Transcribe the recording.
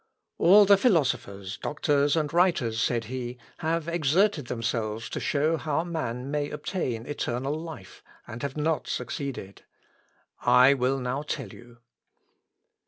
"All the philosophers, doctors, and writers," said he, "have exerted themselves to show how man may obtain eternal life, and have not succeeded. I will now tell you."